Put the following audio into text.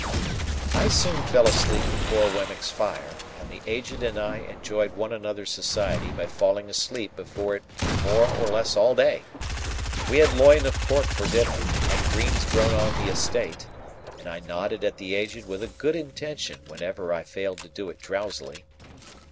I soon fell asleep before Wemmick's fire, and the Aged and I enjoyed one another's society by falling asleep before it more or less all day. We had loin of pork for dinner, and greens grown on the estate; and I nodded at the Aged with a good intention whenever I failed to do it drowsily.